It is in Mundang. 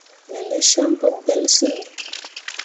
Me ne cem pu gbelsyimmi.